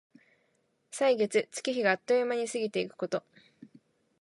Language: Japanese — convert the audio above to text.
歳月、月日があっという間に過ぎてゆくこと。